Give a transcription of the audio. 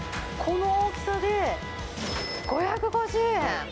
この大きさで５５０円。